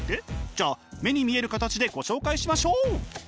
じゃあ目に見える形でご紹介しましょう！